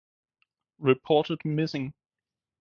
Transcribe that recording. Reported Missing!